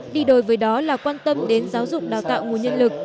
đi đổi với đó là quan tâm đến giáo dụng đào tạo nguồn nhân lực